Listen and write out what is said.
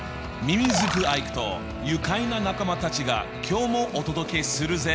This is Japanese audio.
ミミズクアイクと愉快な仲間たちが今日もお届けするぜ！